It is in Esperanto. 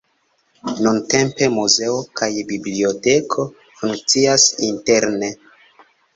Nuntempe muzeo kaj biblioteko funkcias interne.